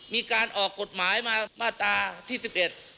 มีการออกกฎหมายมาตราที่๑๑